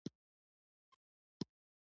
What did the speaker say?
هغه څوک دی چې په سترګو څه لیدلی نه شي.